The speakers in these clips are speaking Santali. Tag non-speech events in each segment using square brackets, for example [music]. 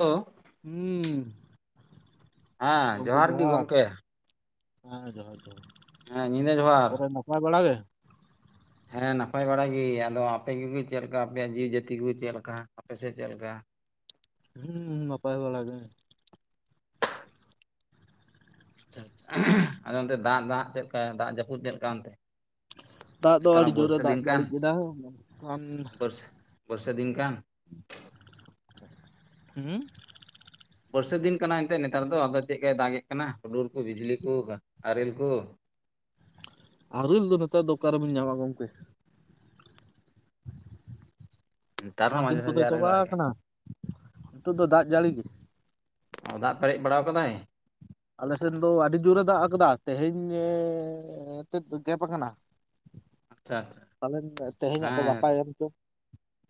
ᱛᱚ ᱦᱩᱸᱻ ᱦᱮᱸ ᱜᱚᱢᱠᱮ ᱜᱮ ᱡᱚᱦᱟᱨ᱾ ᱜᱚᱢᱠᱮ ᱦᱮᱸ ᱡᱚᱦᱟᱨ ᱡᱚᱦᱟᱨ᱾ ᱦᱮᱸ ᱧᱤᱫᱟᱹ ᱡᱚᱦᱟᱨ᱾ ᱯᱟᱭ ᱵᱟᱲᱟ ᱜᱮ? ᱦᱮᱸ ᱱᱟᱯᱟᱭ ᱵᱟᱲᱟ ᱜᱤ᱾ ᱟᱫᱚ ᱟᱯᱮ ᱠᱚᱜᱤ ᱪᱮᱫ ᱞᱮᱠᱟ ᱟᱯᱮᱭᱟᱜ ᱡᱤᱣᱤ ᱡᱟᱹᱛᱤ ᱠᱚᱜᱤ ᱪᱮᱫ ᱞᱮᱠᱟ, ᱟᱯᱮᱥᱮᱫ ᱪᱮᱫ ᱞᱮᱠᱟ? ᱦᱩᱸᱻ ᱵᱟᱯᱟᱭ ᱵᱟᱲᱟ ᱜᱮ᱾ ᱟᱪᱪᱷᱟ ᱟᱪᱪᱷᱟ ᱩᱸᱦᱩᱸᱜ ᱟᱫᱚ ᱚᱱᱛᱮ ᱫᱟᱜ ᱫᱟᱜ ᱪᱮᱫ ᱞᱮᱠᱟ ᱫᱟᱜ ᱡᱟᱹᱯᱩᱫ ᱪᱮᱫ ᱞᱮᱠᱟ ᱚᱱᱛᱮ? ᱫᱟᱜ ᱫᱚ ᱱᱮᱛᱟᱨ ᱢᱟ ᱟᱹᱰᱤ ᱡᱳᱨᱮ ᱵᱚᱨᱥᱟ ᱫᱟᱜ ᱫᱤᱱ ᱠᱟᱱ ᱡᱟᱹᱲᱤ ᱠᱮᱫᱟ ᱟᱢ ᱵᱚᱨᱥᱟ ᱵᱚᱨᱥᱟ ᱫᱤᱱ ᱠᱟᱱ ᱦᱩᱸ ᱵᱟᱹᱨᱥᱟᱹ ᱫᱤᱱ ᱠᱟᱱᱟ ᱮᱱᱛᱮᱫ ᱱᱮᱛᱟᱨ ᱫᱚ ᱟᱫᱚ ᱪᱮᱫᱠᱟᱭ ᱫᱟᱜ ᱮᱫ ᱠᱟᱱᱟ ᱦᱩᱰᱩᱨ ᱠᱩ ᱵᱤᱡᱽᱞᱤ ᱠᱚ ᱟᱨᱮᱞ ᱠᱩ ᱟᱨᱤᱞ ᱫᱚ ᱱᱮᱛᱟᱨ ᱫᱚ ᱚᱠᱟᱨᱮᱵᱤᱱ ᱧᱟᱢᱟ ᱜᱚᱢᱠᱮ ᱱᱮᱛᱟᱨ ᱚᱱᱟ ᱦᱚᱸ ᱫᱤᱱ ᱢᱟᱡᱷᱮ ᱠᱚᱫᱚ ᱥᱟᱡᱷᱮ ᱟᱨᱮᱞ ᱪᱟᱵᱟ ᱵᱟᱲᱟᱭᱮᱜ-ᱟᱭ ᱟᱠᱟᱱᱟ ᱱᱤᱛᱚᱜᱜ ᱫᱚ ᱫᱟᱜ ᱡᱟᱹᱲᱤ ᱜᱮ ᱚ ᱫᱟᱜ ᱯᱮᱨᱮᱡ ᱵᱟᱲᱟᱶ ᱠᱟᱫᱟᱭ ᱟᱞᱮᱥᱮᱫ ᱫᱚ ᱟᱹᱰᱤ ᱡᱳᱨᱮ ᱫᱟᱜ ᱟᱠᱟᱫᱟ ᱛᱮᱦᱮᱧ ᱧᱮᱻ ᱛᱮᱫ ᱜᱮᱯ ᱟᱠᱟᱱᱟ ᱟᱪᱪᱷᱟ ᱟᱪᱪᱷᱟ ᱯᱟᱞᱮᱱ ᱛᱮᱦᱮᱧᱟᱜ ᱫᱚ ᱦᱮᱸ ᱜᱟᱯᱟᱭ ᱮᱱ ᱪᱚᱝ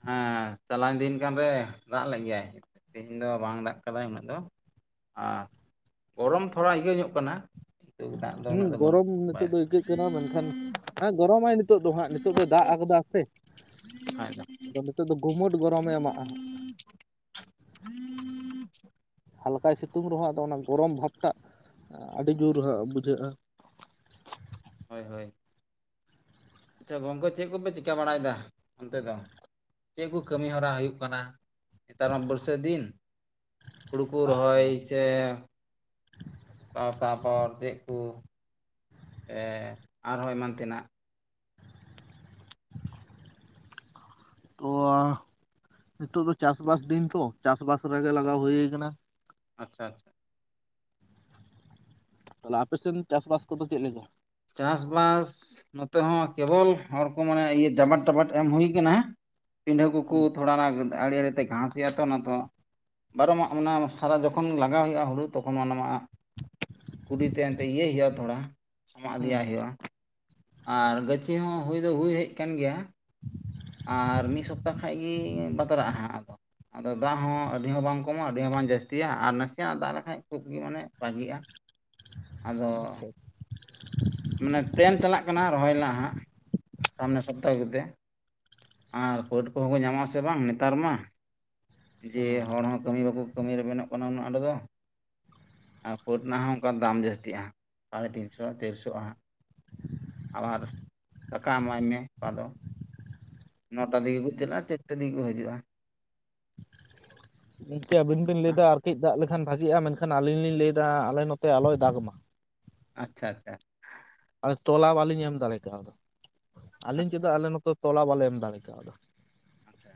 ᱦᱮᱸ ᱪᱟᱞᱟᱣᱮᱱ ᱫᱤᱱ ᱠᱟᱱ ᱨᱮ ᱫᱟᱜ ᱞᱮᱜ ᱜᱮᱭᱟᱭ ᱛᱮᱤᱦᱮᱧ ᱫᱚ ᱵᱟᱝ ᱫᱟᱜ ᱠᱟᱫᱟ ᱩᱱᱟᱹᱜ ᱫᱚ ᱟ ᱜᱚᱨᱚᱢ ᱛᱷᱚᱲᱟ ᱤᱭᱟᱹᱟᱹ ᱧᱚᱜ ᱠᱟᱱᱟ ᱠᱤᱱᱛᱩ ᱫᱟᱜ ᱫᱚ ᱦᱩᱸ ᱩᱱᱟᱹᱜ ᱫᱚ ᱵᱟᱹᱱᱩᱜ ᱜᱚᱨᱚᱢ ᱵᱟᱭ ᱱᱤᱛᱚᱜ ᱫᱚ ᱟᱹᱭᱠᱟᱹᱜ ᱠᱟᱱᱟ ᱢᱮᱱᱠᱷᱟᱱ ᱦᱮᱸ ᱜᱚᱨᱚᱢᱟᱭ ᱱᱤ ᱛᱚᱜ ᱫᱚ ᱦᱟᱸᱜ ᱱᱤᱛᱳᱜ ᱫᱚ ᱫᱟᱜ ᱟᱠᱟᱫᱟ ᱥᱮ ᱟᱫᱚ ᱱᱤᱛᱚᱜ ᱫᱚ ᱜᱩᱢᱩᱴ ᱜᱚᱨᱚᱢᱮ ᱮᱢᱟᱜᱼᱟ ᱦᱟᱞᱠᱟᱭ ᱥᱤᱛᱩᱝ ᱨᱮᱦᱚᱸ ᱟᱫᱚ ᱚᱱᱟ ᱜᱚᱨᱚᱢ ᱵᱷᱟᱵᱽ ᱴᱟᱜ ᱟᱹᱰᱤ ᱡᱳᱨ ᱵᱩᱡᱷᱟᱹᱜᱼᱟ ᱦᱳᱭ ᱦᱳᱭ ᱪᱚ ᱜᱚᱝᱠᱮ ᱪᱮᱫ ᱠᱚᱯᱮ ᱪᱤᱠᱟᱹ ᱵᱟᱲᱟᱭᱮᱫᱟ ᱚᱱᱛᱮ ᱫᱚ ᱪᱮᱫ ᱠᱚ ᱠᱟᱹᱢᱤ ᱦᱚᱨᱟ ᱦᱩᱭᱩᱜ ᱠᱟᱱᱟ ᱱᱮᱛᱟᱨ ᱢᱟ ᱵᱟᱹᱨᱥᱟᱹ ᱫᱤᱱ ᱦᱩᱲᱩ ᱠᱚ ᱨᱚᱦᱚᱭ ᱥᱮ ᱛᱟ ᱛᱟᱯᱚᱨ ᱪᱮᱜ ᱵᱚ ᱮ ᱟᱨᱦᱚᱸ ᱮᱢᱟᱱ ᱛᱮᱱᱟᱜ ᱛᱚᱣᱟ ᱱᱤᱛᱩᱜ ᱫᱚ ᱪᱟᱥᱵᱥ ᱫᱤᱱ ᱛᱚ ᱪᱟᱥᱵᱥ ᱨᱮᱜᱮ ᱞᱟᱜᱟᱣ ᱦᱩᱭᱩ ᱠᱟᱱᱟ ᱟᱪᱪᱷᱟ ᱟᱪᱷᱟ ᱛᱟᱦᱚᱞᱮ ᱟᱯᱮᱥᱮᱱ ᱪᱟᱥᱵᱟᱥ ᱠᱚᱫᱚ ᱪᱮᱫ ᱞᱮᱠᱟ? ᱪᱟᱥ ᱵᱟᱥ ᱱᱚᱛᱮ ᱦᱚᱸ ᱠᱮᱵᱚᱞ ᱦᱚᱲ ᱠᱚ ᱢᱟᱱᱮ ᱤᱭᱟᱹ ᱡᱟᱵᱟᱴ ᱴᱟᱵᱟᱴ ᱮᱢ ᱦᱩᱭᱩ ᱠᱟᱱᱟ ᱯᱤᱰᱷᱟᱹ ᱠᱚᱠᱩ ᱦᱩᱸ ᱛᱷᱚᱲᱟ ᱟᱲᱮ ᱟᱲᱮᱛᱮ ᱜᱷᱟᱥ ᱦᱩᱭᱩᱜ ᱟ ᱛᱚ ᱚᱱᱟ ᱛᱚ ᱵᱟᱨᱚᱢ ᱟᱜ ᱚᱱᱟ ᱥᱟᱫᱟ ᱡᱚᱠᱷᱚᱱ ᱞᱟᱜᱟᱣ ᱦᱩᱭᱩᱜᱼᱟ ᱦᱩᱲᱩ ᱛᱚᱠᱷᱚᱱ ᱚᱱᱟᱢᱟᱜ ᱠᱩᱰᱤᱛᱮ ᱮᱱᱛᱮ ᱤᱭᱟᱹᱭ ᱦᱩᱭᱩᱜᱼᱟ ᱛᱷᱚᱲᱟ ᱥᱟᱚᱢᱟᱜ ᱦᱩᱸ ᱤᱫᱤᱭᱟᱜ ᱦᱩᱭᱩᱜᱼᱟ᱾ ᱟᱨ ᱜᱟᱹᱪᱷᱤ ᱦᱚᱸ ᱦᱩᱭ ᱫᱚ ᱦᱩᱭ ᱦᱮᱡ ᱟᱠᱟᱱ ᱜᱮᱭᱟ ᱟᱨ ᱢᱤᱫ ᱥᱚᱯᱛᱟᱦ ᱠᱷᱟᱱ ᱜᱮ ᱵᱟᱛᱨᱟᱜᱼᱟ ᱦᱟᱸᱜ ᱟᱫᱚ ᱟᱫᱚ ᱫᱟᱜ ᱦᱚᱸ ᱟᱹᱰᱤ ᱦᱚᱸ ᱵᱟᱝ ᱠᱚᱢᱟ ᱟᱹᱰᱤ ᱦᱚᱸ ᱵᱟᱝ ᱡᱟᱹᱥᱛᱤᱭᱟ ᱟᱨ ᱱᱟᱥᱮᱭᱟᱜᱱᱟᱜ ᱫᱟᱜ ᱞᱮᱠᱟᱱᱡ ᱠᱷᱩᱵ ᱜᱮ ᱢᱟᱱᱮ ᱵᱷᱟᱹᱜᱤᱜᱼᱟ᱾ ᱟᱫᱚ ᱟᱪᱪᱷᱟ [unintelligible] ᱢᱟᱱᱮ ᱯᱮᱞᱮᱱ ᱪᱟᱞᱟᱜ ᱠᱟᱱᱟ ᱨᱚᱦᱚᱭᱱᱟ ᱦᱟᱸᱜ ᱥᱟᱢᱱᱮ ᱥᱚᱯᱛᱟᱦᱚ ᱠᱚᱛᱮ ᱟᱨ ᱠᱳᱰ ᱠᱚᱦᱚᱸ ᱠᱚ ᱧᱟᱢᱚᱜ ᱟᱥᱮ ᱵᱟᱝ ᱱᱮᱛᱟᱨ ᱢᱟ ᱡᱮ ᱦᱚᱲ ᱦᱚᱸ ᱠᱟᱹᱢᱤ ᱵᱟᱠᱚ ᱠᱟᱹᱢᱤ ᱨᱮ ᱵᱮᱚᱜ ᱠᱟᱱᱟ ᱩᱱᱟᱹᱜ ᱚᱸᱰ ᱫᱚ ᱟᱨ ᱠᱳᱴ ᱨᱮᱱᱟᱜ ᱦᱚᱸ ᱚᱱᱠᱟ ᱫᱟᱢ ᱡᱟᱹᱥᱛᱤᱜᱼᱟ ᱥᱟᱲᱮ ᱛᱤᱱᱥᱚ ᱛᱮᱨ ᱪᱚ ᱟᱦᱟᱜ ᱟᱵᱟᱨ ᱫᱟᱠᱟ ᱮᱢᱟᱭ ᱢᱮ ᱚᱠᱟ ᱫᱚ ᱱᱚᱰᱟᱫᱤᱜᱮ ᱠᱚ ᱡᱟᱞᱟᱜ ᱼᱟ ᱪᱟᱨᱴᱮ ᱫᱤᱜᱮ ᱠᱚ ᱦᱤᱡᱩᱜᱼᱟ ᱜᱤᱱᱠᱮ ᱟᱹᱵᱤᱱ ᱵᱤᱱ ᱞᱟᱹᱭᱫᱟ ᱟᱨ ᱠᱟᱹᱡ ᱫᱟᱜ ᱞᱮᱠᱷᱟᱱ ᱵᱷᱟᱜᱤᱜᱼᱟ ᱢᱮᱱᱠᱷᱟᱱ ᱟᱹᱞᱤᱧ ᱞᱤᱧ ᱞᱟᱹᱭᱮᱫᱫᱟ ᱟᱞᱮ ᱱᱚᱛᱮ ᱟᱞᱚᱭ ᱫᱟᱜᱽ ᱢᱟ ᱟᱪᱪᱷᱟ ᱟᱪᱪᱷᱟ ᱟᱨᱥ ᱛᱚᱞᱟ ᱵᱟᱞᱤᱧ ᱮᱢ ᱫᱟᱲᱮ ᱠᱟᱣ ᱫᱟ ᱟᱹᱞᱤᱧ ᱟᱪᱪᱷᱟ ᱪᱮᱫᱟᱜ ᱟᱞᱮ ᱱᱚᱛᱚ ᱛᱚᱞᱟ ᱵᱟᱞᱮ ᱮᱢ ᱫᱟᱲᱮ ᱠᱟᱣ ᱫᱟ ᱟᱪᱪᱷᱟ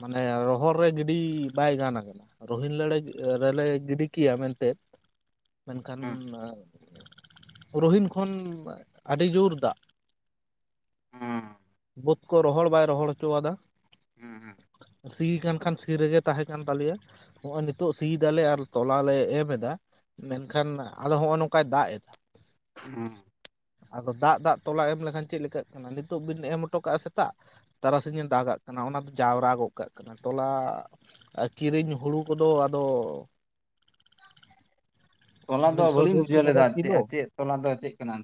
ᱢᱟᱱᱮ ᱨᱚᱦᱚᱲ ᱨᱮ ᱜᱤᱰᱤ ᱵᱟᱭ ᱜᱟᱱ ᱟᱠᱟᱱᱟ ᱨᱚᱦᱤᱱ ᱞᱟᱲᱮ ᱨᱮᱞᱮ ᱜᱤᱰᱤ ᱠᱮᱭᱟ ᱢᱮᱱᱛᱮ ᱢᱮᱱᱠᱷᱟᱱ ᱦᱮᱸ ᱨᱚᱦᱤᱱ ᱠᱷᱚᱱ ᱟᱹᱰᱤ ᱡᱨ ᱫᱟᱜᱽ ᱦᱚᱸ ᱵᱟᱹᱫᱽ ᱠᱚ ᱨᱚᱦᱚᱲ ᱵᱟᱭ ᱨᱚᱦᱚᱲ ᱦᱚᱪᱚᱣᱟᱫᱟ ᱦᱮᱸ ᱦᱮᱸ ᱥᱤ ᱠᱟᱱ ᱠᱷᱟᱱ ᱥᱤ ᱨᱮᱜᱮ ᱛᱟᱦᱮᱸ ᱠᱟᱱ ᱛᱟᱞᱮᱭᱟ ᱱᱚᱜᱼᱚᱭ ᱱᱤᱛᱚᱜ ᱥᱤᱭ ᱫᱟᱞᱮ ᱟᱨ ᱛᱚᱞᱟ ᱞᱮ ᱮᱢ ᱮᱫᱟ ᱢᱮᱱᱠᱷᱟᱱ ᱟᱫᱚ ᱦᱚᱸᱜᱼᱚᱭ ᱱᱚᱝᱠᱟᱭ ᱫᱟᱜᱽ ᱮᱫᱟ᱾ ᱦᱮᱸ ᱟᱫᱚ ᱫᱟᱜᱽ ᱫᱟᱜᱽ ᱛᱚᱞᱟ ᱮᱢ ᱞᱮᱠᱷᱟᱱ ᱪᱮᱫᱞᱮᱠᱟᱜ ᱠᱟᱱᱟ ᱱᱤᱛᱚᱜ ᱵᱤᱱ ᱮᱢ ᱦᱚᱴᱚ ᱠᱟᱜᱼᱟ ᱥᱮᱛᱟᱜ ᱛᱟᱨᱟᱥᱤᱧᱮ ᱫᱟᱜᱟᱜ ᱠᱟᱱᱟ ᱚᱱᱟ ᱫᱚ ᱡᱟᱣᱨᱟ ᱜᱚᱫ ᱠᱟᱜ ᱠᱟᱱᱟ ᱛᱚᱞᱟ ᱠᱤᱨᱤᱧ ᱦᱩᱲᱩ ᱠᱚᱫᱚ ᱟᱫᱚ, ᱛᱚᱞᱟ ᱫᱚ ᱢᱤᱫᱥᱚ ᱵᱟᱹᱞᱤᱧ ᱰᱮᱲᱥᱚ ᱵᱩᱡᱷᱟᱹᱣ ᱴᱟᱠᱟ ᱞᱮᱫᱟ ᱪᱮᱫ ᱪᱮᱫ ᱛᱚᱞᱟ ᱫᱚ ᱪᱮᱫ ᱠᱟᱱᱟ,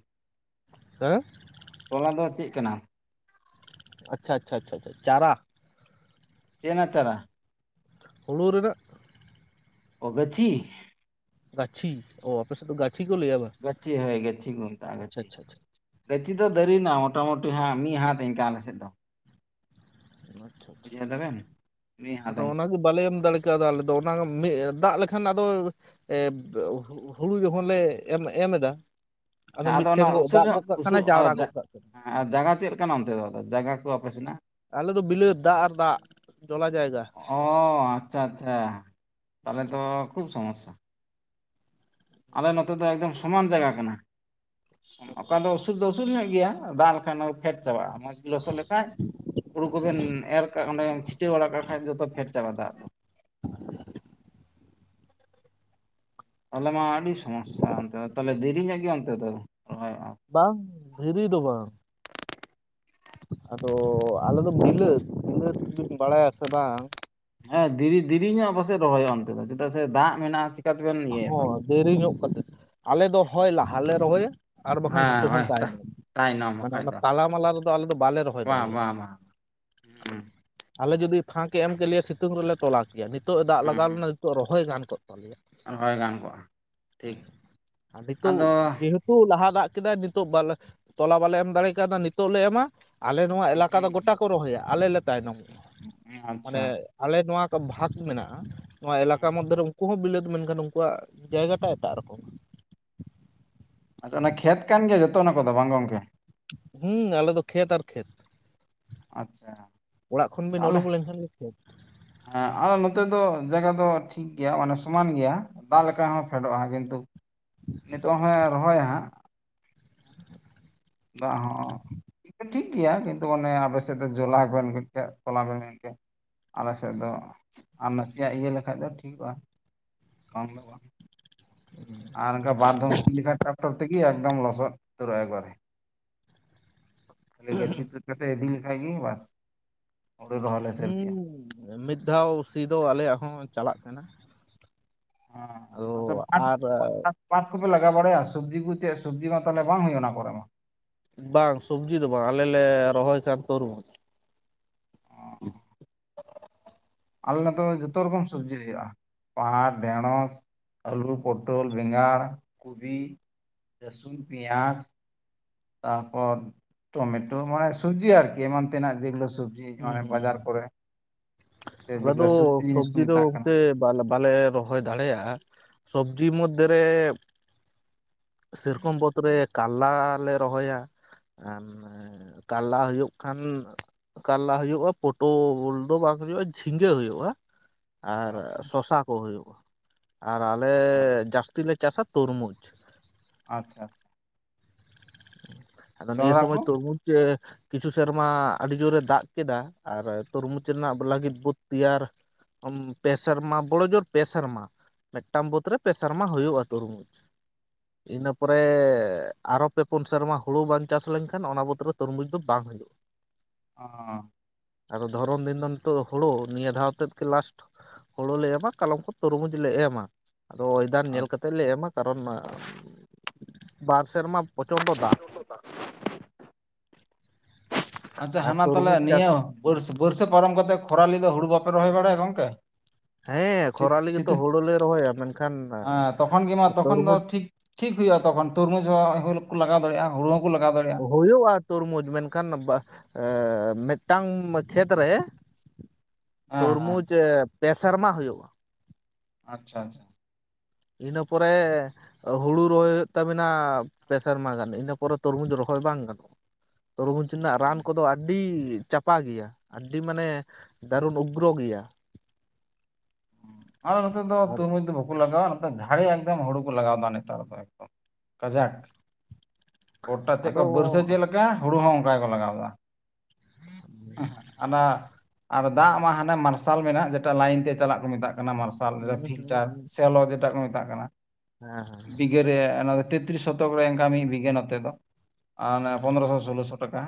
ᱦᱟᱸ ᱛᱚᱞᱟ ᱫᱚ ᱪᱮᱫ ᱠᱟᱱᱟ? ᱟᱪᱪᱷᱟ ᱟᱪᱷᱟ ᱟᱪᱷᱟ ᱪᱷᱟ ᱪᱟᱨᱟ ᱪᱮᱱᱟ ᱪᱟᱨᱟ? ᱦᱩᱲᱩ ᱨᱮᱱᱟᱜ, ᱚ ᱜᱟᱪᱷᱤ ᱜᱟᱪᱷᱤ ᱚ ᱟᱯᱮᱥᱮᱫ ᱜᱟᱪᱷᱤ ᱠᱚ ᱞᱟᱹᱭ ᱟᱵᱟᱨ ᱜᱟᱪᱷᱤ ᱦᱚᱭ ᱜᱟᱪᱷᱤ ᱠᱚ ᱢᱮᱛᱟᱜ ᱜᱟᱪᱷᱤ, ᱟᱪᱪᱷᱟ ᱜᱟᱹᱪᱷᱤ ᱫᱚ ᱫᱟᱨᱤᱭᱮᱱᱟ ᱢᱚᱴᱟᱢᱩᱴᱤ ᱦᱟᱸᱜ ᱢᱤᱫ ᱦᱟᱛ ᱤᱱᱠᱟ ᱟᱞᱮ ᱥᱮᱜ ᱫᱚ, ᱟᱪᱪᱷᱟ ᱟᱪᱪᱷᱟ ᱵᱩᱡᱷᱟᱹᱣ ᱫᱟᱵᱮᱱ ᱢᱤᱫ ᱦᱟᱛ ᱟᱫᱚ ᱤᱱᱠᱟ᱾ ᱚᱱᱟᱜᱮ ᱵᱟᱞᱮ ᱮᱢ ᱫᱟᱲᱮᱜ ᱠᱟᱣᱫᱟ ᱟᱞᱮᱚ ᱫᱚ ᱚᱱᱟ ᱢᱤᱜ ᱫᱟᱜᱽ ᱞᱮᱠᱷᱟᱱ ᱟᱫᱚ ᱮᱸ ᱦᱩᱲᱩ ᱡᱚᱠᱷᱚᱱ ᱞᱮ ᱮᱢ ᱮᱢ ᱮᱫᱟ ᱟᱫᱚ ᱦᱮᱸ ᱚᱱᱟ ᱢᱤᱫᱴᱷᱮᱱ ᱜᱚᱜ ᱩᱥᱩᱞ ᱫᱟᱜᱽ ᱧᱚᱜ ᱜᱚᱜ ᱠᱟᱜ ᱠᱟᱱᱟ ᱩᱥᱩᱞ ᱡᱟᱣᱨᱟ ᱜᱚᱜ ᱠᱟᱜ ᱠᱟᱱᱟᱭ ᱦᱮᱸ ᱟᱨ ᱡᱟᱭᱹᱜᱟ ᱪᱮᱜ ᱞᱮᱠᱟᱱᱟ ᱚᱱᱛᱮ ᱫᱚ ᱟᱫᱚ ᱡᱟᱜᱟ ᱠᱚ ᱟᱯᱮ ᱥᱮᱱᱟᱜ, ᱟᱞᱮᱚ ᱫᱚ ᱵᱤᱞᱟᱹᱛ ᱫᱟᱜᱽ ᱟᱨ ᱫᱟᱜᱽ ᱡᱚᱞᱟ ᱡᱟᱭᱜᱟ᱾ ᱦᱚᱸ ᱟᱪᱪᱷᱟ ᱟᱪᱪᱷᱟ ᱛᱟᱦᱚᱞᱮ ᱛᱚ ᱠᱷᱩᱵ ᱥᱚᱢᱚᱥᱟ, ᱟᱞᱮ ᱱᱚᱛᱮ ᱫᱚ ᱮᱠᱫᱚᱢ ᱥᱚᱢᱟᱱ ᱡᱟᱭᱜᱟ ᱠᱟᱱᱟ ᱟᱪᱪᱷᱟ ᱚᱠᱟ ᱫᱚ ᱟᱪᱪᱷᱟ ᱩᱥᱩᱞ ᱫᱚ ᱟᱹᱥᱩᱞ ᱧᱚᱜ ᱜᱮᱭᱟ ᱫᱟᱜᱽ ᱞᱮᱠᱷᱟᱱ ᱚᱱᱟ ᱯᱷᱮᱰ ᱪᱟᱵᱟᱜᱼᱟ ᱢᱚᱸᱡᱽ ᱜᱮ ᱞᱚᱥᱚᱫ ᱞᱮᱠᱷᱟᱭ ᱦᱩᱲᱩ ᱠᱚᱵᱮᱱ ᱮᱨ ᱠᱟᱜᱼᱟ ᱚᱸᱰᱮ ᱪᱷᱤᱴᱟᱹ ᱵᱟᱲᱟ ᱠᱟᱜ ᱠᱷᱟᱭ ᱡᱚᱛᱚ ᱯᱷᱮᱰ ᱪᱟᱞᱟᱜᱼᱟ ᱫᱟᱜᱽ ᱫᱚ, ᱛᱟᱦᱚᱞᱮ ᱢᱟ ᱟᱹᱰᱤ ᱥᱚᱢᱚᱭᱥᱟ ᱚᱱᱛᱮ ᱫᱚ ᱛᱟᱦᱚᱞᱮ ᱫᱮᱨᱤᱧᱚᱜ ᱜᱮ ᱚᱱᱛᱮ ᱫᱚ ᱨᱚᱦᱚᱭ ᱦᱚᱸ ᱵᱟᱝ ᱫᱷᱤᱨᱤ ᱫᱚ ᱵᱟᱝ, ᱟᱫᱚ ᱟᱞᱮ ᱫᱚ ᱵᱤᱞᱟᱹᱛ ᱵᱤᱞᱟᱹᱛ ᱡᱩᱫᱤᱢ ᱵᱟᱰᱟᱭᱟ ᱥᱮ ᱵᱟᱝ ᱦᱮᱸ ᱫᱮᱻ ᱫᱮᱨᱤᱧᱚᱜ ᱯᱟᱥᱮᱡ ᱨᱚᱦᱚᱭᱚᱜ ᱚᱱᱛᱮ ᱫᱚ ᱪᱮᱫᱟᱜ ᱥᱮ ᱫᱟᱜᱽ ᱢᱮᱱᱟᱜᱼᱟ ᱛᱮᱵᱮᱱ ᱤᱭᱟᱹᱭᱟ ᱦᱚᱸ ᱛᱟᱦᱚᱞᱮ ᱫᱮᱨᱤ ᱧᱚᱜ ᱠᱟᱛᱮᱫ, ᱟᱞᱮ ᱫᱚ ᱦᱚᱭ ᱞᱟᱦᱟᱞᱮ ᱨᱚᱦᱚᱭᱟ ᱟᱨ ᱵᱟᱝᱠᱷᱟᱱ ᱦᱮᱸ ᱡᱷᱚᱛᱚ ᱠᱷᱚᱱ ᱦᱳᱭ ᱛᱟ ᱛᱟᱭᱱᱚᱢ᱾ ᱛᱟᱭᱱᱚᱢ ᱢᱟᱱᱮ ᱵᱟᱠᱷᱟᱡ ᱚᱱᱟ ᱫᱚ ᱛᱟᱞᱟ ᱢᱟᱞᱟ ᱨᱮᱫᱚ ᱟᱞᱮ ᱫᱚ ᱵᱟᱞᱮ ᱨᱚᱦᱚᱭ ᱵᱟᱝ ᱫᱟᱲᱮᱭᱟᱜᱼᱟ, ᱵᱟᱝ ᱵᱟᱝ ᱦᱩᱸ ᱟᱞᱮ ᱡᱩᱫᱤ ᱯᱷᱟᱸᱠᱮ ᱮᱢ ᱠᱮᱜᱮᱭᱟ ᱥᱤᱛᱩᱝ ᱨᱮᱞᱮ ᱛᱚᱞᱟ ᱠᱮᱭᱟ ᱱᱤᱛᱚᱜ ᱮ ᱫᱟᱜᱽ ᱦᱩᱸ ᱞᱟᱜᱟᱣ ᱦᱩᱸ ᱞᱮᱱᱟ ᱱᱤᱛᱚᱜ ᱨᱚᱦᱚᱭ ᱜᱟᱱ ᱠᱚᱜ ᱛᱟᱞᱮᱭᱟ᱾ ᱨᱚᱦᱚᱭ ᱜᱟᱱ ᱠᱚᱜᱼᱟ᱾ ᱴᱷᱤᱠ ᱦᱮᱸ ᱟᱨ ᱱᱤᱛᱚᱜ ᱟᱫᱚ ᱡᱮᱦᱮᱛᱩ ᱞᱟᱦᱟ ᱫᱟᱜᱽ ᱠᱮᱫᱟᱭ ᱱᱤᱛᱚᱜ ᱵᱟᱞᱮ ᱛᱚᱞᱟ ᱵᱟᱞᱮ ᱮᱢ ᱫᱟᱲᱮ ᱠᱟᱣᱫᱟ ᱱᱤᱛᱚᱜ ᱞᱮ ᱮᱢᱟ, ᱟᱞᱮ ᱱᱚᱣᱟ ᱮᱞᱟᱠᱟ ᱫᱚ ᱜᱚᱴᱟ ᱠᱚ ᱦᱩᱸ ᱨᱚᱦᱚᱭᱟ ᱟᱞᱮ ᱞᱮ ᱛᱟᱭᱱᱚᱢᱼᱟ ᱢᱟᱱᱮ ᱟᱪᱪᱷᱟ ᱟᱞᱮ ᱱᱚᱣᱟ ᱠᱚ ᱵᱷᱟᱜᱽ ᱢᱮᱱᱟᱜᱼᱟ ᱱᱚᱣᱟ ᱮᱞᱟᱠᱟ ᱦᱩᱸ ᱢᱚᱫᱽᱫᱷᱮᱨᱮ ᱩᱱᱠᱩ ᱦᱚᱸ ᱵᱤᱞᱟᱹᱛ ᱢᱮᱱᱠᱷᱟᱱ ᱩᱱᱠᱩᱣᱟᱜ ᱡᱟᱭᱜᱟᱴᱟ ᱮᱴᱟᱜ ᱨᱚᱠᱚᱢ᱾ ᱟᱫᱚ ᱚᱱᱟ ᱠᱷᱮᱛ ᱠᱟᱱ ᱜᱮᱭᱟ ᱡᱚᱛᱚ ᱚᱱᱟ ᱠᱚᱫᱚ ᱵᱟᱝ ᱜᱚᱝᱠᱮ, ᱦᱮᱸ ᱟᱞᱮ ᱫᱚ ᱠᱷᱮᱛ ᱟᱨ ᱠᱷᱮᱛ᱾ ᱟᱪᱪᱷᱟ᱾ ᱚᱲᱟᱜ ᱠᱷᱚᱱ ᱵᱤᱱ ᱟᱞᱮ ᱩᱰᱩᱠ ᱞᱮᱱᱠᱷᱟᱱ ᱜᱮ ᱠᱷᱮᱛ᱾ ᱦᱮᱸ ᱟᱫᱚ ᱱᱚᱛᱮ ᱫᱚ ᱡᱟᱭᱜᱟ ᱫᱚ ᱴᱷᱤᱠ ᱜᱮᱭᱟ ᱢᱟᱱᱮ ᱥᱚᱢᱟᱱ ᱜᱮᱭᱟ ᱫᱟᱜ ᱞᱮᱠᱟ ᱦᱚᱸ ᱯᱷᱮᱰᱚᱜᱼᱟ ᱠᱤᱱᱛᱩ, ᱱᱤᱛᱚᱜ ᱦᱚ ᱨᱚᱦᱚᱭᱟ ᱦᱟᱸᱜ᱾ ᱫᱟᱜ ᱦᱚᱸ ᱴᱷᱤᱠ ᱜᱮᱭᱟ ᱠᱤᱱᱛᱩ ᱚᱱᱮ ᱟᱵᱮ ᱥᱮᱫᱛᱮ ᱡᱚᱞᱟ ᱵᱮ ᱛᱚᱞᱟ ᱵᱮᱱ [unintelligible] ᱟᱞᱮ ᱥᱮᱫ ᱫᱚ, ᱟᱨ ᱱᱟᱥᱮᱭᱟᱜ ᱤᱭᱟᱹ ᱞᱮᱠᱷᱟᱡ ᱫᱚ ᱴᱷᱤᱠᱚᱜᱼᱟ ᱵᱟᱝ ᱫᱚ ᱵᱟᱝ᱾ ᱟᱨ ᱚᱱᱠᱟ ᱵᱟᱨ ᱫᱷᱚᱢ ᱥᱤ [unintelligible] ᱴᱨᱟᱠᱴᱚᱨ ᱛᱮᱜᱮ ᱮᱠᱫᱚᱢ ᱞᱚᱥᱚᱫ ᱩᱛᱟᱹᱨᱚᱜᱼᱟ ᱮᱠᱵᱟᱨᱮ᱾ [unintelligible] ᱞᱮ ᱥᱟᱹᱨᱫᱤ ᱩᱸᱻ ᱤᱫᱤᱜᱼᱟ ᱢᱤᱫ ᱫᱷᱟᱣ ᱥᱤ ᱫᱚ ᱟᱞᱮᱭᱟᱜ ᱦᱚᱸ ᱪᱟᱞᱟᱜ ᱠᱟᱱᱟ ᱟᱫᱚ ᱟᱨ [inaudible] ᱯᱟᱴ ᱠᱚᱯᱮ ᱞᱟᱜᱟᱣ ᱵᱟᱲᱟᱭᱟ ᱥᱚᱵᱽᱡᱤ ᱠᱚ ᱪᱮᱫ ᱥᱚᱵᱽᱡᱤ ᱢᱟ ᱛᱟᱦᱞᱮ ᱵᱟᱝ ᱦᱩᱭᱩᱜᱼᱟ ᱚᱱᱟ ᱠᱚᱨᱮ ᱢᱟ᱾ ᱵᱟᱝ ᱥᱚᱵᱽᱡᱤ ᱫᱚ ᱵᱟᱝ, ᱟᱞᱮ ᱞᱮ ᱨᱚᱦᱚᱭ ᱠᱷᱟᱱ ᱛᱚᱨᱢᱩᱡᱽ᱾ [inaudible] ᱟᱞᱮ ᱱᱚᱛᱮ ᱢᱟ ᱡᱚᱛᱚ ᱨᱚᱠᱚᱢ ᱥᱚᱵᱽᱡᱤ ᱦᱩᱭᱩᱜᱼᱟ, ᱯᱟᱦᱟᱴ ᱰᱷᱮᱬᱚᱸᱥ ᱟᱹᱞᱩ, ᱯᱚᱴᱚᱞ, ᱵᱮᱸᱜᱟᱲ, ᱠᱩᱵᱤ, ᱨᱟᱹᱥᱩᱱ, ᱯᱮᱸᱭᱟᱡᱽ ᱛᱟᱯᱚᱨ ᱴᱚᱢᱮᱴᱳ ᱢᱟᱱᱮ ᱥᱚᱵᱽᱡᱤ ᱟᱨᱠᱤ ᱮᱢᱟᱱ ᱛᱮᱱᱟᱜ ᱡᱮᱜᱩᱞᱟᱹ ᱥᱚᱵᱽ [unintelligible] ᱦᱩᱸ ᱢᱟᱱᱮ ᱦᱩᱸ ᱦᱩᱸ ᱵᱟᱡᱟᱨ ᱠᱚᱨᱮ ᱥᱮ ᱫᱚ ᱡᱮᱜᱩᱞᱟ‌ᱥᱚᱵᱽᱡᱤ ᱡᱤᱱᱤᱥ ᱠᱚ ᱥᱚᱵᱽᱡᱤ ᱢᱮᱛᱟᱜ ᱫᱚ ᱠᱟᱱᱟ᱾ ᱚᱱᱛᱮ ᱟᱞᱮ ᱵᱟᱞᱮ ᱨᱚᱦᱚᱭ ᱫᱟᱲᱮᱭᱟᱜᱼᱟ ᱥᱚᱵᱽᱡᱤ ᱢᱚᱫᱽᱫᱷᱮᱨᱮ ᱥᱮᱨᱚᱠᱚᱢ ᱵᱳᱛ ᱨᱮ ᱠᱟᱞᱞᱟ ᱞᱮ ᱨᱚᱦᱚᱭᱟ, ᱮᱸ ᱠᱟᱞᱞᱟ ᱦᱩᱭᱩᱜ ᱠᱷᱟᱱ ᱠᱟᱞᱞᱟ ᱦᱩᱭᱩᱜᱼᱟ ᱯᱳᱴᱳᱻᱞ ᱫᱚ ᱵᱟᱝ ᱦᱩᱭᱩᱜᱼᱟ ᱡᱷᱤᱸᱜᱟᱹ ᱦᱩᱭᱩᱜᱼᱟ᱾ ᱟᱨ ᱟᱪᱪᱷᱟ ᱥᱚᱥᱟ ᱠᱚ ᱦᱩᱭᱩᱜᱼᱟ, ᱟᱨ ᱟᱞᱮ ᱟᱪᱪᱷᱟ ᱡᱟᱹᱥᱛᱤ ᱞᱮ ᱪᱟᱥᱟ ᱛᱚᱨᱢᱩᱡᱽ᱾ ᱟᱪᱪᱷᱟ ᱟᱪᱪᱷᱟ᱾ ᱟᱫᱚ ᱱᱤᱭᱟᱹ ᱡᱚᱱᱰᱨᱟ ᱥᱚᱢᱚᱭ ᱠᱚ ᱛᱩᱨᱢᱩᱽ ᱮ ᱠᱤᱪᱷᱩ ᱥᱮᱨᱢᱟ ᱟᱹᱰᱤ ᱡᱳᱨ ᱮ ᱫᱟᱜ ᱠᱮᱫᱟ ᱟᱨ ᱛᱚᱨᱢᱩᱪ ᱨᱮᱱᱟᱜ [unintelligible] ᱛᱮᱭᱟᱨ ᱯᱮ ᱥᱮᱨᱢᱟ ᱵᱚᱲᱚ ᱡᱳᱨ ᱯᱮ ᱥᱟᱨᱢᱟ᱾ ᱢᱤᱫᱴᱟᱝ ᱵᱟᱹᱛ ᱨᱮ ᱯᱮ ᱥᱮᱨᱢᱟ ᱦᱩᱭᱩᱜᱼᱟ ᱛᱩᱨᱢᱩᱡᱽ, ᱤᱱᱟᱹ ᱯᱚᱨᱮ ᱟᱨᱚ ᱯᱮ ᱯᱩᱱ ᱥᱮᱨᱢᱟ ᱦᱩᱲᱩ ᱵᱟᱝ ᱪᱟᱥ ᱞᱮᱱᱠᱷᱟᱱ ᱚᱱᱟ ᱵᱚᱛ ᱨᱮ ᱛᱩᱨᱢᱩᱡᱽ ᱫᱚ ᱵᱟᱝ ᱦᱩᱭᱩᱜᱼᱟ᱾ ᱚᱸᱻ ᱟᱫᱚ ᱫᱷᱚᱨᱚᱢ ᱫᱤᱱ ᱫᱚ ᱱᱤᱛᱚᱜ ᱦᱩᱲᱩ ᱱᱤᱭᱟᱹ ᱫᱷᱟᱣ ᱛᱮᱫ ᱜᱮ ᱞᱟᱥᱴ ᱦᱳᱲᱳ ᱞᱮ ᱮᱢᱟ ᱠᱟᱞᱚᱢ ᱠᱷᱚᱢ ᱛᱚᱨᱢᱩᱡᱽ ᱞᱮ ᱮᱢᱟ᱾ ᱟᱫᱚ ᱳᱭᱮᱫᱟᱨ ᱧᱮᱞ ᱠᱟᱛᱮᱫ ᱞᱮ ᱮᱢᱟ ᱠᱟᱨᱚᱱ ᱵᱟᱨ ᱥᱮᱨᱢᱟ ᱯᱨᱚᱪᱚᱱᱰᱚ ᱫᱟᱜ [inaudible] ᱟᱪᱪᱷᱟ ᱟᱨ ᱦᱟᱱᱟ ᱛᱟᱦᱚᱞᱮ ᱛᱩᱨᱢᱩᱡᱽ ᱪᱟᱥ ᱱᱤᱭᱟᱹ ᱵᱟᱹᱨ ᱵᱟᱹᱨᱥᱟᱹ ᱯᱟᱨᱚᱢ ᱠᱟᱛᱮ ᱠᱷᱚᱨᱟᱞᱤ ᱫᱚ ᱦᱩᱲᱩ ᱵᱟᱯᱮ ᱨᱚᱦᱚᱭ ᱵᱟᱲᱟᱭᱟ ᱜᱚᱝᱠᱮ? ᱦᱮᱸ ᱥᱤᱛ ᱠᱷᱚᱨᱟᱞᱤ ᱜᱮ ᱛᱚ ᱥᱤᱛᱩᱝ ᱦᱩᱲᱩ ᱞᱮ ᱨᱚᱦᱚᱭᱟ ᱢᱮᱱᱠᱷᱟᱱ ᱦᱮᱸ ᱛᱚᱠᱷᱚᱱ ᱜᱮ ᱢᱟ ᱛᱚᱠᱷᱚᱱ ᱫᱚ ᱛᱚᱨᱢᱩᱡᱽ ᱴᱷᱤᱠ ᱴᱷᱤᱠ ᱦᱩᱭᱩᱜᱼᱟ ᱛᱚᱠᱷᱚᱱ ᱛᱚᱨᱢᱩᱡᱽ ᱦᱚᱸ [unintelligible] ᱞᱟᱜᱟᱣ ᱫᱟᱲᱮᱜᱼᱟ, ᱦᱩᱲᱩ ᱦᱚᱸᱠᱚ ᱞᱟᱜᱟᱣ ᱫᱟᱲᱮᱭᱟᱜᱼᱟ ᱦᱩᱭᱩᱜᱼᱟ ᱛᱩᱨᱢᱩᱡᱽ ᱢᱮᱱᱠᱷᱟᱱ ᱵᱟ ᱮ ᱢᱤᱫᱴᱟᱝ ᱠᱷᱮᱛ ᱨᱮ ᱦᱮᱸ ᱦᱮᱸ ᱛᱩᱨᱢᱩᱡᱽ ᱯᱮ ᱥᱮᱨᱢᱟ ᱦᱩᱭᱩᱜᱼᱟ᱾ ᱟᱪᱪᱷᱟ ᱟᱪᱪᱷᱟ᱾ ᱤᱱᱟᱹ ᱯᱚᱨᱮᱻ ᱦᱩᱲᱩ ᱨᱚᱦᱚᱭ ᱦᱩᱭᱩᱜ ᱛᱟᱵᱤᱱᱟ ᱯᱮ ᱥᱮᱨᱢᱟ ᱢᱟ ᱜᱟᱱ ᱤᱱᱟᱹ ᱯᱚᱨᱮ ᱛᱚᱨᱢᱩᱡᱽ ᱨᱚᱦᱚᱭ ᱵᱟᱝ ᱜᱟᱱᱚᱜᱼᱟ᱾ ᱛᱚᱨᱢᱩᱡᱽ ᱨᱮᱱᱟᱜ ᱨᱟᱱ ᱠᱚᱫᱚ ᱟᱰᱰᱤ ᱪᱟᱯᱟ ᱜᱮᱭᱟ᱾ ᱟᱹᱰᱤ ᱢᱟᱱᱮ ᱫᱟᱨᱩᱱ ᱩᱜᱽᱨᱚ ᱜᱮᱭᱟ ᱾ ᱟᱞᱮ ᱱᱚᱛᱮ ᱫᱚ ᱟᱨ ᱛᱩᱨᱢᱩᱡᱽ ᱫᱚ ᱵᱟᱠᱚ ᱞᱟᱜᱟᱣᱼᱟ,, ᱾ ᱟᱫᱚ ᱡᱷᱟᱲᱮ ᱮᱠᱫᱚᱢ ᱦᱩᱲᱩ ᱠᱚ ᱞᱟᱜᱟᱣᱮᱫᱟ ᱱᱮᱛᱟᱨ ᱫᱚ ᱮᱠᱫᱚᱢ ᱠᱟᱡᱟᱠ, ᱾ ᱜᱳᱴᱟ ᱪᱮᱫ ᱟᱫᱚ ᱞᱮᱠᱟ ᱵᱟᱹᱨᱥᱟᱹ ᱪᱮᱫ ᱞᱮᱠᱟ ᱦᱩᱲᱩ ᱦᱚᱸ ᱚᱱᱠᱟ ᱜᱮᱠᱚ ᱞᱟᱜᱟᱣᱫᱟ ᱾ ᱟᱸᱦ, ᱟᱱᱟ ᱟᱨ ᱫᱟᱜ ᱢᱟ ᱦᱟᱱᱮ ᱢᱟᱨᱥᱟᱞ ᱢᱮᱱᱟᱜ ᱡᱮᱴᱟ ᱞᱟᱭᱤᱱ ᱛᱮ ᱪᱟᱞᱟᱜ ᱠᱚ ᱢᱮᱛᱟᱜ ᱾ ᱢᱟᱨᱥᱟᱞ ᱦᱩᱸ ᱦᱩᱸ ᱯᱷᱤᱞᱴᱟᱨ ᱦᱩᱸ ᱥᱮᱞᱚ ᱡᱮᱴᱟ ᱠᱚ ᱢᱮᱛᱟᱜ ᱠᱟᱱᱟ ᱦᱮᱸ ᱦᱮᱸ ᱵᱤᱜᱷᱟᱹᱨᱮ ᱚᱱᱟ ᱪᱮᱫ ᱛᱨᱤᱥ ᱥᱚᱛᱚᱠ ᱨᱮ ᱱᱠᱟ ᱢᱤᱫ ᱵᱤᱜᱷᱟᱹ ᱱᱚᱛᱮ ᱫᱚ ᱾ ᱟᱨ ᱚᱱᱮ ᱯᱚᱱᱫᱽᱨᱚᱥᱚ ᱥᱳᱞᱳ ᱥᱚ ᱴᱟᱠᱟ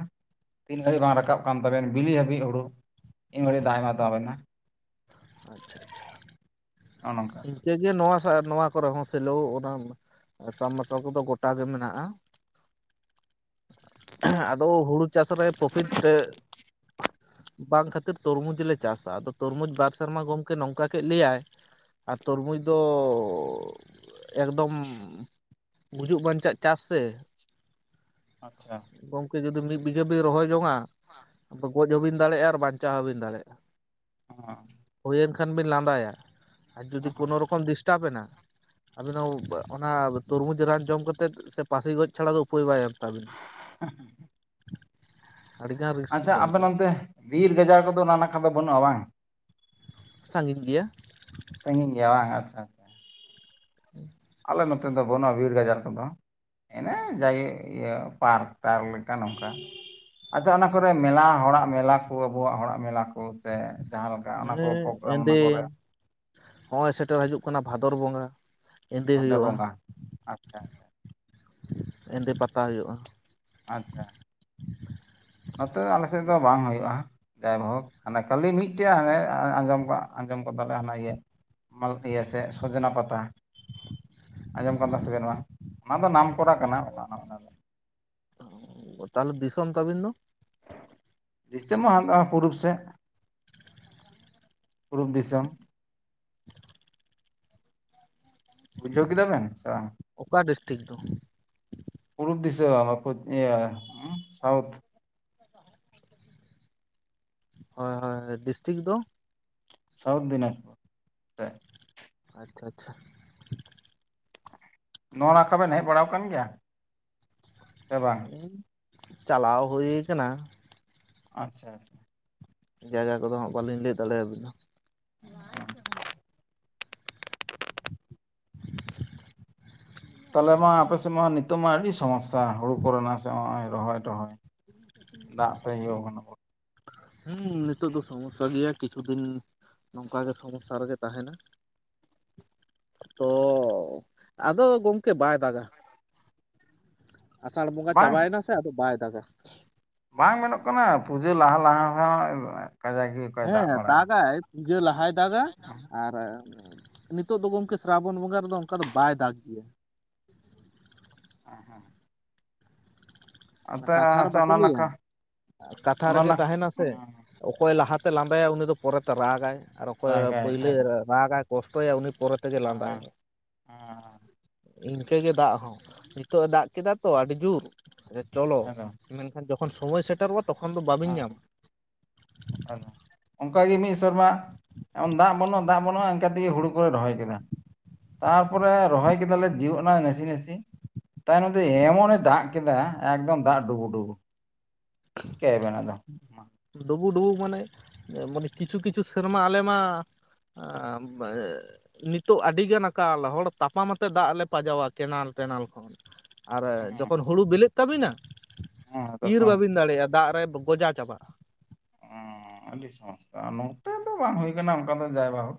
ᱛᱤᱱ ᱜᱷᱟᱹᱲᱤ ᱵᱟᱝ ᱨᱟᱠᱟᱵ ᱠᱟᱱ ᱛᱟᱵᱮᱱ ᱵᱤᱞᱤ ᱦᱟᱹᱵᱤᱡ ᱦᱳᱲᱳ ᱾ ᱤᱱ ᱜᱷᱟᱹᱲᱤᱡ ᱫᱟᱜ ᱮ ᱮᱢᱟᱣᱟᱛᱟᱵᱮᱱᱟ ᱟᱪᱪᱷᱟ -ᱟᱪᱪᱷᱟ ᱾ ᱱᱚᱜ -ᱚᱼᱱᱚᱝᱠᱟ ᱾ ᱪᱮ ᱜᱮ ᱱᱚᱣᱟ ᱥᱟ ᱱᱚᱣᱟ ᱠᱚᱨᱮ ᱦᱚᱸ ᱥᱮᱞᱳ ᱚᱱᱟ ᱥᱟᱵᱟᱨᱥᱟᱞ ᱠᱚᱫᱚ ᱜᱚᱴᱟ ᱜᱮ ᱢᱮᱱᱟᱜᱼᱟ ᱾ ᱦᱷᱟᱸ, ᱫᱚ ᱦᱩᱲᱩ ᱪᱟᱥ ᱨᱮ ᱯᱨᱚᱯᱷᱤᱴ ᱮ ᱵᱟᱝ ᱠᱷᱟᱹᱛᱤᱨ ᱛᱚᱨᱢᱩᱡᱽ ᱞᱮ ᱪᱟᱥᱟ ᱟᱫᱚ ᱛᱚᱨᱢᱩᱡᱽ ᱵᱟᱨ ᱥᱮᱨᱢᱟ ᱜᱚᱢᱠᱮ ᱱᱚᱝᱠᱟ ᱠᱮᱫ ᱞᱮᱭᱟᱭ ᱟᱨ ᱛᱩᱨᱢᱩᱡᱽ ᱫᱚᱻ ᱮᱠᱫᱚᱢ ᱜᱩᱡᱩᱜ ᱵᱟᱧᱪᱟᱜ ᱪᱟᱥ ᱥᱮ ᱾ ᱟᱪ-ᱪᱷᱟᱻ ᱾ ᱜᱚᱝᱠᱮ ᱡᱩᱫᱤ ᱢᱤᱫ ᱵᱤᱜᱷᱟᱹ ᱵᱤᱱ ᱨᱚᱦᱚᱭ ᱡᱚᱝᱟ ᱜᱚᱡ ᱦᱚᱸᱵᱤᱱ ᱫᱟᱲᱮᱭᱟᱜᱼᱟ ᱟᱨ ᱵᱟᱧᱪᱟᱣ ᱦᱚᱸᱵᱤᱱ ᱫᱟᱲᱮᱭᱟᱜᱼᱟ ᱾ [inaudible] ᱚᱸ-ᱚᱝ-ᱟᱸᱜ-ᱴᱷᱮᱡ ᱾ ᱦᱩᱭᱮᱱ ᱠᱷᱟᱱ ᱵᱤᱱ ᱞᱟᱸᱫᱟᱭᱟ ᱟᱨ ᱡᱩᱫᱤ ᱦᱚᱸ ᱠᱳᱱᱳ ᱨᱚᱠᱚᱢ ᱰᱤᱥᱴᱟᱵ ᱮᱱᱟ ᱟᱵᱤᱱ ᱫᱚ ᱩᱯ ᱟ ᱚᱱᱟ ᱛᱚᱨᱢᱩᱡᱽ ᱨᱟᱱ ᱡᱚᱢ ᱠᱟᱛᱮᱫ ᱥᱮ ᱯᱟᱥᱮ ᱜᱚᱡ ᱪᱷᱟᱲᱟ ᱫᱚ ᱩᱯᱟᱹᱭ ᱵᱟᱭ ᱮᱢ ᱛᱟᱵᱤᱱᱟ ᱾ ᱦᱟᱸᱦ ᱾ [unintelligible] ᱟᱹᱰᱤᱜᱟᱱ ᱥᱟᱦ, ᱨᱤᱠᱥ ᱟᱪ-ᱪᱷᱟ ᱟᱯᱮ ᱜᱚᱝᱠᱮ ᱚᱱᱛᱮ ᱵᱤᱨ ᱜᱟᱡᱟᱲ ᱠᱚᱫᱚ ᱚᱱᱟ ᱱᱟᱜ-ᱠᱷᱟ ᱫᱚ ᱵᱟᱹᱱᱩᱜᱼᱟ ᱵᱟᱝ? ᱥᱟᱺᱜᱤᱧ ᱜᱮᱭᱟ ᱾ ᱥᱟᱺᱜᱤᱧ ᱜᱮᱭᱟ ᱵᱟᱝ, ᱟᱪᱪᱷᱟ ᱾ ᱟᱞᱮ ᱱᱚᱛᱮ ᱫᱚ ᱵᱟᱹᱱᱩᱜᱼᱟ ᱵᱤᱨ ᱜᱟᱡᱟᱲ ᱠᱚᱫᱚ ᱾ ᱮᱱᱮ ᱮᱸ ᱡᱟᱜᱮ ᱤᱭᱟᱹ ᱯᱟᱨ ᱠ ᱴᱟᱨ ᱠ ᱞᱮᱠᱟ ᱱᱚᱝᱠᱟ ᱾ ᱟᱪᱪᱷᱟ, ᱚᱱᱟ ᱠᱚᱨᱮ ᱢᱮᱞᱟ ᱦᱚᱲᱟᱜ ᱢᱮᱞᱟ ᱠᱚ ᱟᱵᱚᱣᱟᱜ ᱦᱚᱲᱟᱜ ᱢᱮᱞᱟ ᱠᱚ ᱥᱮ, ᱡᱟᱦᱟᱸ ᱞᱮᱠᱟ ᱚᱱᱟ ᱦᱮᱸ ᱠᱚ ᱯᱳᱜᱨᱟᱢ ᱚᱱᱟ ᱠᱚᱨᱮ? ᱦᱚᱸᱜᱼᱚᱸᱭ ᱥᱮᱴᱮᱨ ᱦᱤᱡᱩᱜ ᱠᱟᱱᱟ ᱵᱷᱟᱫᱚᱨ ᱵᱚᱸᱜᱟ ᱾ ᱮᱸᱫᱮᱹ ᱨᱜᱮ ᱵᱷᱟᱫᱚᱨ ᱵᱟᱝ, ᱵᱚᱸᱜᱟ ᱟᱪᱪᱷᱟ ᱮᱸᱫᱮᱹ ᱯᱟᱛᱟ ᱦᱳᱭᱳᱜᱼᱟ ᱾ ᱟᱪ-ᱪᱷᱟ ᱾ ᱱᱚᱛᱮ ᱟᱞᱮᱥᱮᱫ ᱫᱚ ᱵᱟᱝ ᱦᱳᱭᱩᱳᱜᱼᱟ ᱾ ᱡᱟᱭᱦᱳᱠ, ᱦᱟᱱᱮ ᱠᱷᱟᱹᱞᱤ ᱢᱤᱫᱴᱮᱡ ᱦᱟᱱᱮ ᱟᱸ-ᱳᱸ ᱟᱸᱡᱚᱢ ᱟᱸᱡᱚᱢ ᱠᱟᱫᱟᱞᱮ ᱦᱟᱱᱟ ᱤᱭᱟᱹ ᱾ ᱢᱟᱞᱛᱤᱭᱟᱹ ᱥᱮ ᱥᱚᱡᱽᱱᱟ ᱯᱟᱛᱟ ᱾ ᱟᱸᱡᱚᱢ ᱠᱟᱱ ᱛᱟᱦᱮᱱ ᱥᱮᱵᱮᱱ ᱵᱟᱝ? ᱚᱱᱟ ᱫᱚ ᱱᱟᱢᱠᱚᱨᱟ ᱠᱟᱱᱟ ᱾ ᱪᱷᱚ-ᱨ-ᱨ-ᱨ-ᱲ, ᱛᱟᱦᱞᱮ ᱫᱤᱥᱚᱢ ᱛᱟᱵᱤᱱ ᱫᱚ? ᱴᱷᱚᱜ, ᱫᱤᱥᱚᱢ ᱢᱟ ᱚᱱᱟ ᱯᱩᱨᱩᱵ ᱥᱮᱫ ᱾ ᱯᱩᱨᱩᱵ ᱫᱤᱥᱚᱢ ᱾ ᱵᱩᱡᱷᱟᱹᱣ ᱠᱮᱫᱟ ᱵᱮᱱ, ᱥᱮ ᱵᱟᱝ? ᱚᱠᱟ ᱰᱤᱥᱴᱤᱠ ᱫᱚ? ᱯᱩᱨᱩᱵ ᱫᱤᱥᱟᱹᱢ ᱟᱯᱚᱛ ᱤᱭᱟᱹ ᱥᱟᱣᱩᱛᱷ ᱾ ᱦᱚᱭ-ᱦᱚᱭ-ᱦᱚᱭ ᱰᱤᱥᱴᱤᱠ ᱫᱚ? ᱥᱟᱣᱩᱛ ᱫᱤᱱᱟᱡᱽ ᱟᱪᱪᱷᱟ -ᱟᱪᱪᱷᱟ-ᱪᱷᱟ ᱾ ᱱᱚᱣᱟ ᱱᱟᱠᱷᱟ ᱵᱮᱱ ᱦᱮᱡ ᱵᱟᱲᱟᱣ ᱠᱟᱱ ᱜᱮᱭᱟ ᱥᱮ ᱵᱟᱝ? ᱪᱟᱞᱟᱣ ᱦᱩᱭ ᱠᱟᱱᱟ ᱾ ᱟᱪᱪᱷᱟ ᱟᱪᱪᱷᱟ ᱾ ᱡᱟᱭᱜᱟ ᱠᱚᱫᱚ ᱦᱟᱸᱜ ᱵᱟᱹᱞᱤᱧ ᱞᱟᱹᱭ ᱫᱟᱲᱮ ᱟᱵᱤᱱᱟ ᱾ ᱛᱟᱦᱚᱞᱮ ᱢᱟ ᱟᱯᱮᱥᱮᱫ ᱢᱟ ᱱᱤᱛᱚᱜ ᱢᱟ ᱟᱹᱰᱤ ᱥᱚᱢᱚᱥᱥᱟ ᱦᱩᱲᱩ ᱠᱚᱨᱮᱱᱟᱜ ᱥᱮ ᱱᱚᱜ ᱚᱭ ᱨᱚᱦᱚᱭ ᱴᱚᱦᱚᱭ ᱾ ᱫᱟᱜ ᱛᱮ ᱤᱭᱳ ᱠᱟᱱᱟ ᱠᱚ ᱦᱩᱸ ᱱᱤᱛᱚᱜ ᱫᱚ ᱥᱚᱢᱚᱥᱥᱟ ᱜᱮᱭᱟ ᱠᱤᱪᱷᱩ ᱫᱤᱱ ᱱᱚᱝᱠᱟ ᱜᱮ ᱥᱚᱢᱚᱥᱥᱟ ᱨᱮᱜᱮ ᱛᱟᱦᱮᱱᱟ ᱾ ᱛᱚ ᱟᱫᱚ ᱜᱚᱝᱠᱮ ᱵᱟᱭ ᱫᱟᱜᱟ ᱾ ᱟᱥᱟᱲ ᱵᱚᱸᱜᱟ ᱵᱟᱝ ᱪᱟᱵᱟᱭᱮᱱᱟ ᱥᱮ ᱟᱫᱚ ᱵᱟᱭ ᱫᱟᱜᱟ ᱾ ᱵᱟᱝ ᱢᱮᱱᱚᱜ ᱠᱟᱱᱟ, ᱯᱩᱡᱟᱹ ᱞᱟᱦᱟ ᱞᱟᱦᱟ ᱦᱚᱸ ᱠᱟᱡᱟᱠ ᱜᱮ ᱚᱠᱚᱭ ᱦᱮᱸ ᱫᱟᱜ ᱵᱟᱲᱟᱭᱟ ᱫᱟᱜᱟᱭ ᱯᱩᱡᱟᱹ ᱞᱟᱦᱟᱭ ᱫᱟᱜᱟ ᱟᱨ ᱱᱤᱛᱚᱜ ᱫᱚ ᱜᱚᱝᱠᱮ ᱥᱨᱟᱵᱚᱱ ᱵᱚᱸᱜᱟ ᱨᱮᱫᱚ ᱚᱱᱠᱟ ᱫᱚ ᱵᱟᱭ ᱫᱟᱜ ᱜᱮᱭᱟ ᱾ [unintelligible] ᱚᱱᱟ ᱠᱟᱛᱷᱟ ᱟᱨ ᱟᱪᱪᱷᱟ ᱵᱟᱠᱚ ᱚᱱᱟ ᱞᱟᱹᱭᱟ ᱱᱟᱠᱷᱟ ᱠᱟᱛᱷᱟ ᱚᱱᱟ ᱨᱮᱜᱮ ᱱᱟᱠᱷᱟ ᱛᱟᱦᱮᱱᱟ ᱥᱮ ᱦᱮᱸ ᱚᱠᱚᱭ ᱦᱮᱸ ᱞᱟᱦᱟᱛᱮ ᱞᱟᱸᱫᱟᱭᱟ ᱩᱱᱤ ᱫᱚ ᱯᱚᱨᱮᱛᱮ ᱨᱟᱜᱟᱭ ᱟᱨ ᱚᱠᱚᱭ ᱫᱟᱜᱟᱭ ᱯᱟᱹᱭᱞᱟᱹ ᱠᱷᱟᱡ ᱫᱚ ᱨᱟᱜᱟᱭ ᱠᱚᱥᱴᱚᱭᱟ ᱩᱱᱤ ᱯᱚᱨᱮ ᱛᱮᱜᱮ ᱞᱟᱸᱫᱟᱭᱟ ᱦᱮᱸ ᱾ ᱦᱮᱸ ᱤᱱᱠᱟᱹ ᱜᱮ ᱫᱟᱜ ᱦᱚᱸ ᱱᱤᱛᱚᱜ ᱮ ᱫᱟᱜ ᱠᱮᱫᱟ ᱛᱚ ᱟᱹᱰᱤ ᱡᱳᱨ ᱪᱚᱞᱚ ᱠᱷᱟᱡ ᱫᱚ ᱢᱮᱱᱠᱷᱟᱱ ᱡᱚᱠᱷᱚᱱ ᱥᱚᱢᱚᱭ ᱥᱮᱴᱮᱨᱚᱜᱼᱟ, ᱛᱚᱠᱷᱚᱱ ᱫᱚ ᱵᱟᱵᱤᱱ ᱧᱟᱢᱟ ᱾ ᱚᱱᱠᱟᱜᱮ ᱢᱤᱫ ᱥᱮᱨᱢᱟ ᱚᱱ ᱫᱟᱜ ᱵᱟᱹᱱᱩᱜᱼᱟ, ᱫᱟᱜ ᱵᱟᱹᱱᱩᱜᱼᱟ ᱤᱱᱠᱟ ᱛᱮᱜᱮ ᱦᱲᱩ ᱠᱚᱞᱮ ᱨᱚᱦᱚᱭ ᱠᱮᱫᱟ ᱾ ᱛᱟᱨᱯᱚᱨᱮ ᱨᱚᱦᱚᱭ ᱠᱮᱫᱟᱞᱮ ᱥᱤᱭᱚᱜ ᱮᱱᱟ ᱱᱟᱥᱮ ᱱᱟᱥᱮ ᱛᱟᱭᱱᱚᱢ ᱛᱮ ᱮᱢᱚᱱᱮ ᱫᱟᱜ ᱠᱮᱫᱟ ᱮᱠᱫᱚᱢ ᱫᱟᱜ ᱰᱩᱵᱩᱼᱰᱩᱵᱩ ᱾ ᱪᱮᱠᱟᱹ ᱟᱵᱮᱱ ᱟᱫᱚ ᱾ ᱰᱩᱵᱩᱼᱰᱩᱵᱩ ᱢᱟᱱᱮ ᱢᱟᱱᱮ ᱠᱤᱪᱷᱩ ᱠᱤᱪᱷᱩ ᱥᱮᱨᱢᱟ ᱟᱞᱮ ᱢᱟ [unintelligible] ᱱᱤᱛᱚᱜ ᱟᱹᱰᱤᱜᱟᱱ ᱟᱠᱟᱞ ᱦᱚᱲ ᱛᱟᱯᱟᱢ ᱟᱛᱮ ᱫᱟᱜ ᱞᱮ ᱯᱟᱡᱟᱣᱟ ᱠᱮᱱᱮᱞ ᱴᱮᱱᱮᱞ ᱠᱷᱚᱱ ᱟᱨ ᱦᱮᱸ ᱡᱚᱠᱷᱚᱱ ᱦᱩᱲᱩ ᱵᱤᱞᱤᱜ ᱛᱟᱹᱵᱤᱱᱟ ᱦᱮᱸ ᱤᱨ ᱛᱚᱠᱷᱚᱱ ᱵᱟᱹᱵᱤᱱ ᱫᱟᱲᱮᱭᱟᱜᱼᱟ, ᱫᱟᱜ ᱨᱮ ᱜᱚᱡᱟ ᱪᱟᱵᱟᱜᱼᱟ ᱾ ᱟᱹᱰᱤ ᱥᱚᱢᱚᱥᱛᱟ ᱱᱚᱛᱮ ᱫᱚ ᱵᱟᱝ ᱦᱩᱭ ᱟᱠᱟᱱᱟ ᱚᱱᱠᱟ ᱫᱚ ᱡᱟᱭ ᱵᱟ ᱦᱳᱠ ᱾